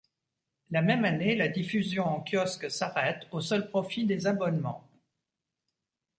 La même année, la diffusion en kiosque s'arrête, au seul profit des abonnements.